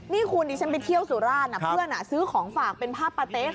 นี่คุณดิฉันไปเที่ยวสุราชเพื่อนซื้อของฝากเป็นภาพปาเต๊ะ